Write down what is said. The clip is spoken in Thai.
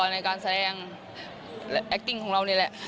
ในการแสดงแอคติ้งของเรานี่แหละ